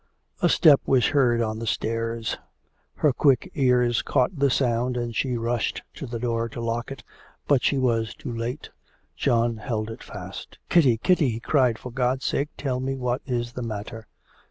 A step was heard on the stairs; her quick ears caught the sound, and she rushed to the door to lock it. But she was too late. John held it fast. 'Kitty, Kitty,' he cried, 'for God's sake, tell me what is the matter?'